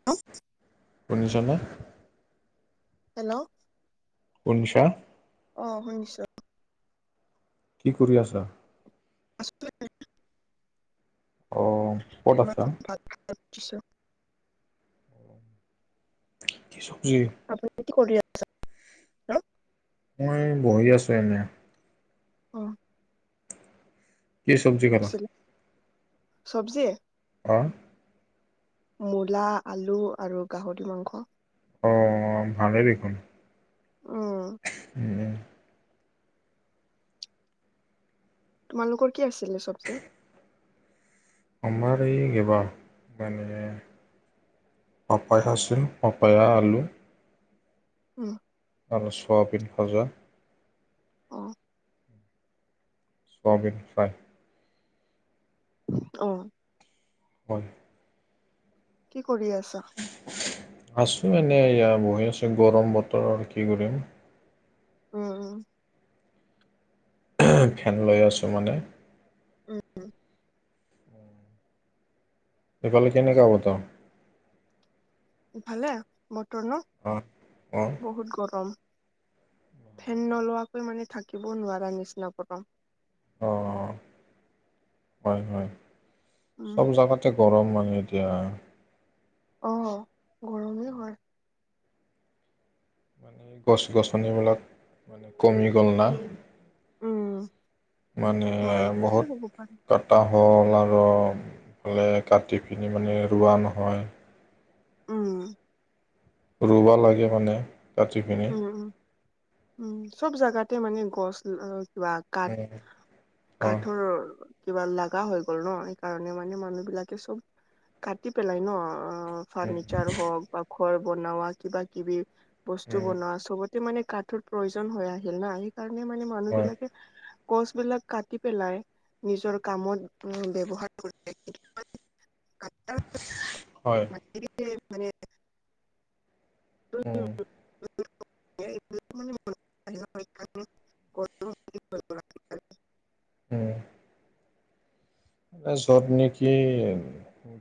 [inaudible] শুনিছ নে? হেল্ল' শুনিছা? অ' শুনিছোঁ। কি কৰি আছা? আছোঁ [unintelligible] অ', ক'ত এই আছা? মাত্ৰ ভাত‌ খাই উঠিছোঁ। কি চবজি? আপুনি [unintelligible] কৰি আছা? মই বহি আছোঁ এনে? অ', কি চবজি [unintelligible] চবজি? অ', মূলা, আলু আৰু গাহৰি মাংস। অ' অ' ভালেই দেখোন। অ', উম, তোমালোকৰ কি আছিলে চবজে? আমাৰ এই, এইবাৰ মানে পাপাই [unintelligible] পপায়া আলু। [unintelligible] আৰু চয়াবিন ভজা। অ', [unintelligible] অ', হয়। কি কৰি আছা? আছো এনে এয়া বহি আছোঁ গৰম বতৰ আৰু কি কৰিম। উম, উম। ফেন লৈ আছোঁ মানে। উম, সিফালে কেনেকুৱা গতাও? [unintelligible] বতৰ ন? অ' অ' বহুত গৰম ফেন নলোৱাকৈ মানে থাকিবওঁ নোৱাৰা নিচিনা গৰম। অ' হয়, হয় উম চব জাগাতে গৰম মানে এতিয়া। অ'গৰমেই হয়। গছ-গছনিবিলাক মানে কমি গ'ল না। উ, মানে বহুত পাৰে তাত কতা হ'ল আৰু কাটি পিনি মানে ৰোৱা নহয়। উম। ৰুবা লাগে মানে। কাটি পিনি উম, উম, উম, চব জোগাতে মানে গছ কিবা কাঠ অঁ কাঠৰ কিবা লগা হৈ গ'ল ন' সেইকাৰণে মানে মানুহ বিলাকে চব কাটি পেলাই ন'। ফাৰ্ণিচাৰ হ'ওক বা ঘৰ বনোৱা কিবা কিবি। টো বনোৱা চবতে মানে কাঠৰ প্ৰয়োজন হৈ আহিল না সেইকাৰণে মানে মানুহ হয় বিলাকে গছ বিলাক কাটি পেলাই। নিজৰ কামত উ, ব্যৱহাৰ কৰি হয় [unintelligible] [unintelligible] উম। [unintelligible] উম। এ য'ত নেকি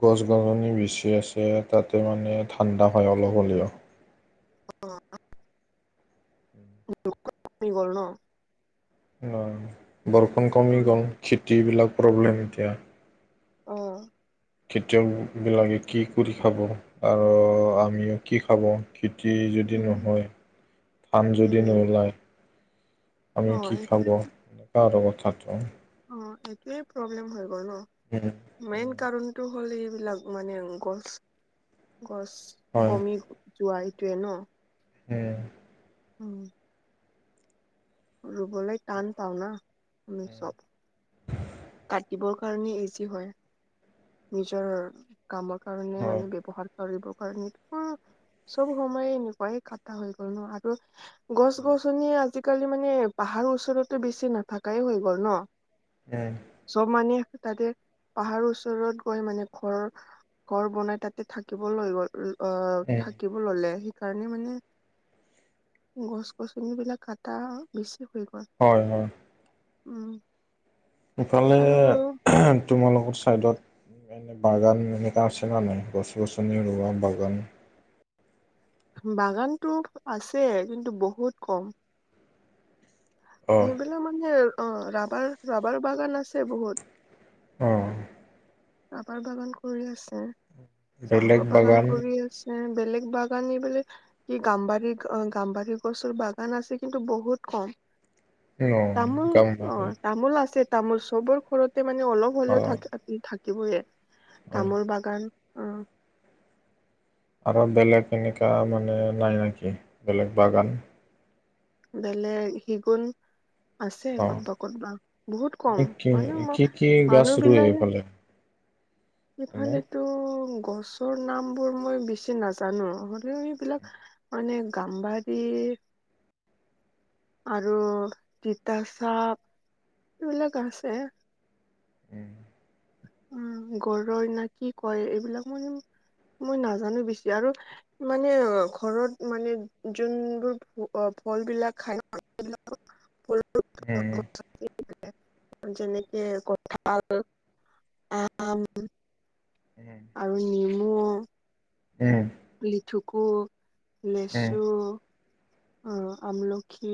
গছ-গছনি বেছি আছে, তাতে মানে ঠাণ্ডা হয় অলপ হ'লেও। [unintelligible] অ', বৰষুণ ক'মি গ'ল খেতিবিলাক প্ৰব্লেম এতিয়া। অ'। খেতিয়কবিলাকে কি কৰি খাব আৰু আমিও কি খাব। খেতি যদি উম নহয় ধান যদি উম নোলায়। অ আমি কি এইটোৱে খাব, এনেকা আৰু কথাটো। অ', এইটোৱে প্ৰব্লেম হৈ গ'ল ন'। হম। মেইন কাৰণটো হ'ল এইবিলাক মানে গছ গছ হয় কমি যোৱা এইটোয়ে ন'? উম। উম। ৰুবলৈ টান পাওঁ না আমি উম, চব। কাটিবৰ কাৰণে ইজি হয়, নিজৰ কামৰ কাৰণে হয় মানে ব্যৱহাৰ কৰিবৰ কাৰণে, মোৰ চব সময় এনেকুৱাই কাটা হৈ গ'ল ন' আৰু গছ-গছনিও আজিকালি মানে পাহাৰৰ ওচৰতে বেছি নাথাকাই হৈ গ'ল ন'? উম। চব মানুহে তাতে পাহাৰৰ ওচৰত গৈ মানে ঘৰ ঘৰ বনাই তাতে থাকিবলৈ গ'ল। অ', উম থাকিব ল'লে। সেইকাৰণে মানে গছ-গছনিবিলাক কটা বেছি হৈ গ'ল। হয়, হয়। উম। ইফালে আৰু তোমালোকৰ চাইডত এ বাগান এনেকা আছে নে নাই, গছ-গছনি ৰুোৱা বাগান? বাগানতো আছে কিন্তু বহুত ক'ম। অ সেইবিলাক মানে অ', ৰাবাৰ ৰাবাৰ বাগান আছে বহুত। অ'। চাহৰ বাগান কৰি আছে। চাহৰ বাগান কৰি আছে। উম বেলেগ বাগান এই বিলাক কি গাম্বাৰী গাম্বাৰী গছৰ বাগান আছে কিন্তু বহুত কম। ন তামোল অ গাম্বাৰী তামোল আছে। তামোল চবৰ ঘৰতে মানে অলপ অ হ'লেও থাক থাকিবয়ে হয় তামোল বাগান। উম। আৰু বেলেগ এনেকুৱা মানে নাই নেকি বেলেগ বাগান? বেলেগ শিশুন আছে অ ক'তবা ক'তবা বহুত কম কি মানে কি কি গছ মানুহ ৰুৱে বিলাকে [inaudible] এনে ইফালেতো গছৰ নাম বোৰ মই বেছি নাজানোঁ হ'লেও এইবিলাক মানে গাম্বাৰী। আৰু তিতা চাপ এইবিলাক আছে। উম। উম গৰৈৰ না কি কয় এইবিলাক মই মই নাজানোঁ বেছি আৰু মানে ঘৰত মানে যোনবোৰ ফল বিলাক খাই নে সেইবিলাক উম। [inaudible] যেনেকে কঁঠাল। আম। উম। আৰু নেমু। [inaudible] লিঠুকু, উম লেচু, আমলখি।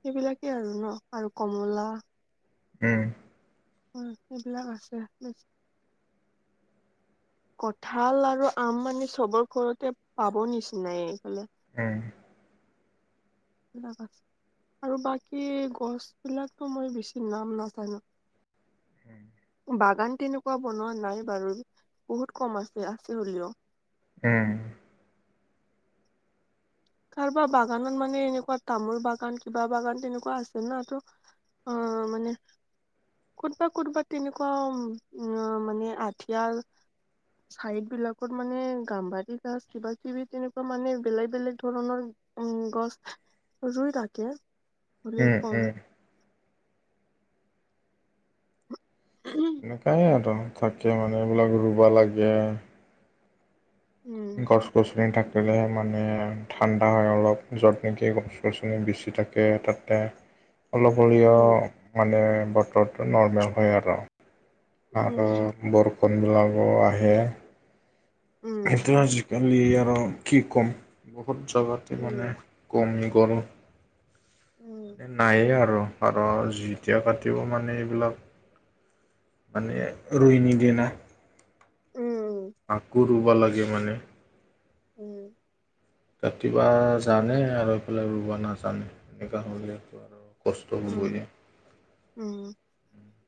সেইবিলাকেই আৰু ন আৰু কমলা। উম। উম এইবিলাক আছে, উম। কঠাঁল আৰু আম মানে চবৰ ঘৰতে পাব নিচিনাই। উম। [inaudible] আৰু বাকী গছ বিলাকতো মই বেছি নাম নাজানোঁ। [inaudible] বাগান তেনেকুৱা বনোৱা নাই বাৰু বহুত কম আছে, আছে হ'লেও। এৱ। কাৰোবাৰ বাগানত মানে এনেকুৱা তামোল বাগান কিবা বাগান তেনেকুৱা আছে ন তো। অ মানে কোতবা কোতবা তেনেকুৱা উম মানে আঠিয়াল চাইড বিলাকত মানে গাম্বাৰী গছ কিবা কিবি তেনেকুৱা মানে বেলেগ বেলেগ ধৰণৰ উম গছ ৰুই থাকে, হ'লেও কম। উম এনেকাই আৰু থাকে মানে এইবিলাক ৰুব লাগে। উম [inaudible] গছ-গছনি থাকিলেহে মানে ঠাণ্ডা হয় অলপ য'ত নেকি গছ-গছনি বেছি থাকে তাতে অলপ হ'লেও উম মানে বতৰটো নৰ্মেল হয় আৰু। আৰু উম বৰষুণবিলাকো আহে। উম সেইটো আজিকালি আৰু কি ক'ম বহুত জেগাতে মানে। উম কমি গ'ল, উম নায়েই আৰু। আৰু যেতিয়া কাটিব মানে এইবিলাক মানে ৰুইনি নিদিয়ে না। উম। আকৌ ৰুব লাগে মানে। উম। কাটিৱা জানে আৰু এইফালে ৰুবা নাজানে সেইকাৰণেটো আৰু কষ্ট উম, হ'বই উম,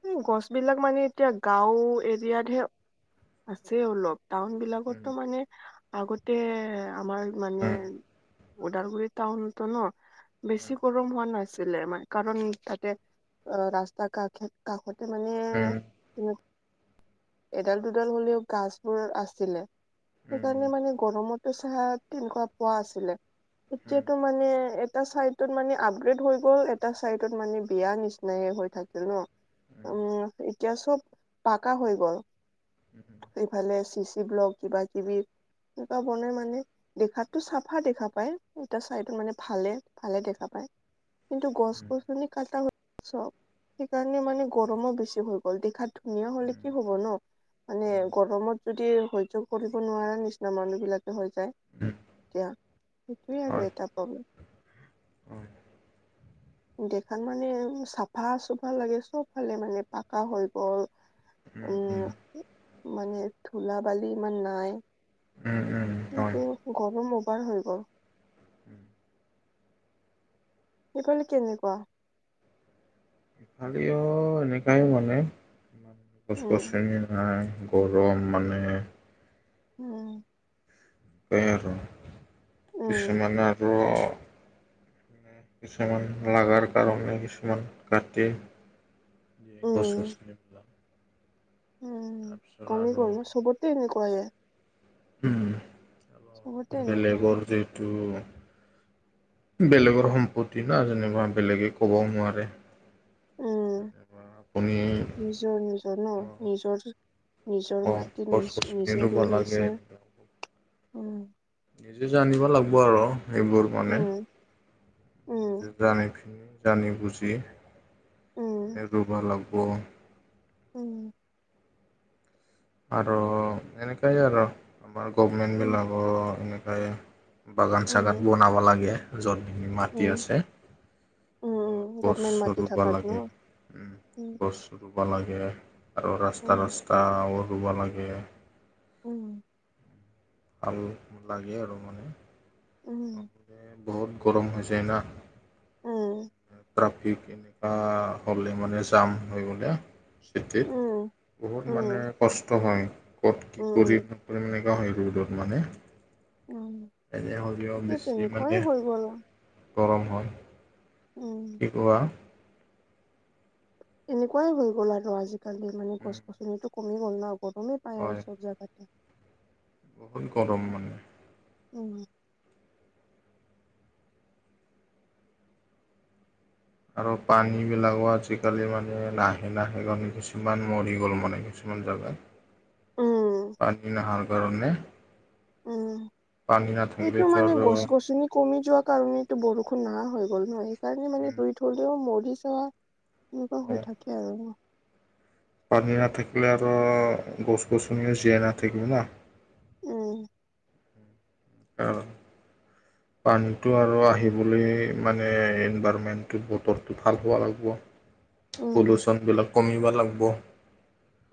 উ গছ বিলাক মানে এতিয়া গাঁও এৰিয়াতহে আছে অলপ। টাউন উম, বিলাকতো মানে আগতে আমাৰ মানে উম, ওদালগুৰি টাউনতো ন বেছি গৰম হোৱা নাছিলে আমাৰ। কাৰণ তাতে অ ৰাস্তা কাষ কাষতে মানে উম। কিন্তু এডাল দুডাল হ'লেও গছবোৰ আছিলে উম, উম, সেইকাৰণে মানে গৰমতো চাহ তেনেকুৱা পোৱা আছিলে, উম, উম, এতিয়াতো মানে এটা চাইট ত মানে আপগ্ৰেড হৈ গ'ল এটা চাইডত মানে বিয়া নিচিনাই হৈ থাকিল ন। উম এতিয়া চব পাকা হৈ গ'ল। এইফালে চি চি ব্লগ কিবা কিবি এনেকুৱা বনাই মানে দেখাটো চাফা দেখা পায়, এটা চাইড মানে ভালে ভালে দেখা পায়। কিন্তু উম, গছ-গছনি কাটা চব, সেইকাৰণে মানে গৰমো বেছি হৈ গ'ল। দেখাত ধুনীয়া হ'লে উম, উম, কি হ'ব ন। মানে উম, গৰমত যদি সহ্য কৰিব নোৱাৰা নিচিনা মানুহ বিলাক হৈ যায় এতিয়া, সেইটোৱে আৰু এটা প্ৰব্লেম। অ। দেখাত মানে চাফা চফা লাগে চবফালে মানে পাকা হৈ গ'ল উম মানে ধুলা বালি ইমান নাই। উম উম। কিন্তু হয় গৰম অভাৰ হৈ গ'ল। সেইফালে কেনেকুৱা? ফালিও এনেকাই মানে ইমান উম গছ-গছনি নাই। গৰম মানে উম। সেইয়া আৰো উম কিছুমান আৰো কিছুমান লাগাৰ কাৰণে কিছুমান কাটি গছ উম [unintelligible] উম তাৰপিছত কমে আৰু গল ন চবতে এনেকোৱায়ে। উম চবতে আৰো এনেকুৱা হৈ বেলেগৰ গ'ল যিটো বেলেগৰ সম্পত্তি না যেনিবা বেলেগে ক'বও নোৱাৰে। উম যেনিবা আপুনি নিজৰ নিজৰ না নিজৰ নিজৰ অ মাটিত গছ নিজ গছনি নিজে ৰুব ৰুই লাগে গৈছে উম। নিজে জানিব লাগিব আৰু সেইবোৰ মানে উম উম নিজে জানি পিনি, জানি বুজি উম এ ৰুবা লাগিব। উম। আৰো এনেকাইে আৰো আমাৰ উম গভমেণ্টবিলাকো এনেকাই। বাগান-চাগান উম বনাব লাগে য'ত মাটি উম আছে উম উম [unintelligible] গভমেণ্ট গছ মাটি ৰুব থাকাত ন লাগে উম গছ ৰুব লাগে আৰু উম ৰাস্তা-ৰাস্তাও ৰুব লাগে। উম! আৰু লাগে আৰু মানে। উম! তাকে বহুত গৰম হৈ যায় না। উম! ট্ৰেফিক এনেকুৱা হ'লে মানে জাম হৈ গ'লে। খেতিত উম বহুত উম মানে কষ্ট হয় ক'ত কি উম কৰিম? তাৰমানে তেনেকুৱা হয় [unintelligible] ৰ'দত মানে। উম এনে হ'লেও এতিয়া বেছি তেনেকুৱাই মানে হৈ গ'ল গৰম হয়। উম! শিকোৱা। এনেকুৱাই হৈ গ'ল আৰু আজিকালি মানে উম, গছ-গছনিতো কমি গ'ল ন গৰমেই পায় হয় আৰু চব জাগাতে। বহুত গৰম মানে। উম। আৰু পানী বিলাকো আজিকালি মানে নাহে-নাহে কাৰণে কিছুমান মৰি গ'ল মানে কিছু কিছুমান জাগাত উম, পানী নাহাৰ কাৰণে। উম! পানী সেইটো নাথাকিলেতো মানে আৰু গছ-গছনি কমি যোৱা কাৰণতো বৰষুণ নাহা হৈ গ'ল নহয় সেইকাৰণে মানে উম, ৰুই থলেও মৰি যোৱা এনেকুৱা হৈ অ' থাকে আৰু ন। পানী নাথাকিলে আৰু গছ-গছনিয়ো জীয়াই নাথাকিব ন। উম! অহ! পানীটো আৰু আহিবলৈ মানে ইনভাৰমেণ্টটো বতৰটো ভাল হ'ব লাগিব। উম, পলুচন বিলাক কমিব লাগিব,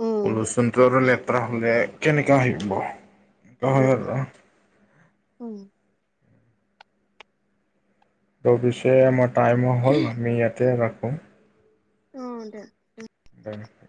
উম, পলুচনটো আৰু লে লেতেৰা হ'লে কেনেকা আহিব হয় উম, আৰু। উম! ত' পিছে আমাৰ টাইমো হ'ল আমি ইয়াতে ৰাখোঁ। অঁ! দে দে [unintelligible]